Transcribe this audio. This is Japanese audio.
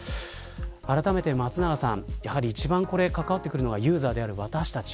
あらためて、松永さん一番関わってくるのはユーザーである私たち。